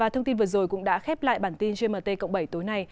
thông tin vừa rồi cũng đã khép lại bản tin gmt cộng bảy tối nay